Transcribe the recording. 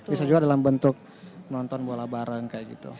bisa juga dalam bentuk nonton bola bareng kayak gitu